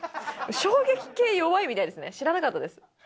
衝撃系、弱いみたいですね、知らなかったです。